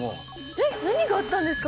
えっ何があったんですか？